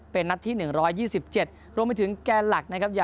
เป็นนัดที่๑๒๗รวมไปถึงแกนหลักนะครับ